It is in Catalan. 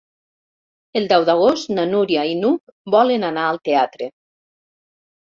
El deu d'agost na Núria i n'Hug volen anar al teatre.